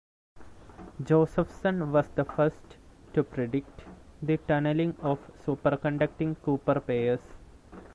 Josephson was the first to predict the tunneling of superconducting Cooper pairs.